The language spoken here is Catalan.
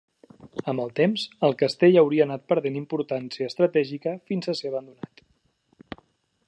Amb el temps, el castell hauria anat perdent importància estratègica fins a ser abandonat.